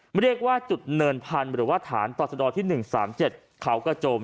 เรียกว่าจุดเนินพันธุ์หรือว่าฐานต่อสดที่๑๓๗เขากระโจม